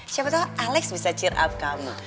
siapa tahu alex bisa cheer up kamu